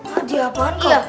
hadiah apaan kok